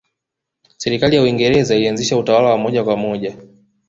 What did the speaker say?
Serikali ya Uingereza ilianzisha utawala wa moja kwa moja